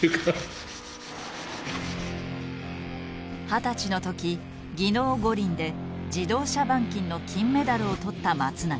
二十歳の時技能五輪で自動車板金の金メダルを取った松永。